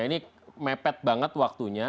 ini mepet banget waktunya